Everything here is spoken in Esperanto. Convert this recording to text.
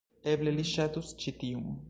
Eble li ŝatus ĉi tiun